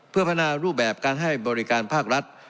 เพื่อพัฒนารูปแบบการให้บริการภาครัฐ